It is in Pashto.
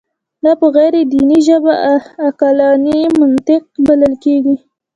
دا په غیر دیني ژبه عقلاني منطق بلل کېږي.